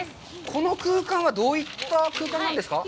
この空間はどういった空間なんですか。